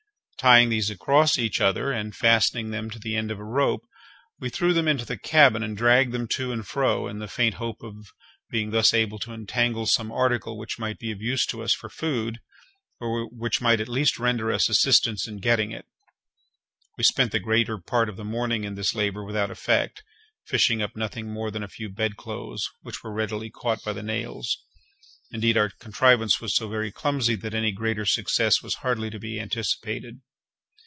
Tying these across each other, and fastening them to the end of a rope, we threw them into the cabin, and dragged them to and fro, in the faint hope of being thus able to entangle some article which might be of use to us for food, or which might at least render us assistance in getting it. We spent the greater part of the morning in this labour without effect, fishing up nothing more than a few bedclothes, which were readily caught by the nails. Indeed, our contrivance was so very clumsy that any greater success was hardly to be anticipated.